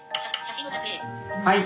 はい。